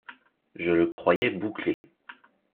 Je le croyais bouclé.